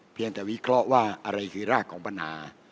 เพียงแต่วิเคราะห์ว่าอะไรคือรากของปัญหา